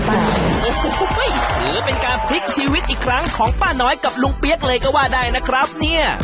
โอ้โหถือเป็นการพลิกชีวิตอีกครั้งของป้าน้อยกับลุงเปี๊ยกเลยก็ว่าได้นะครับเนี่ย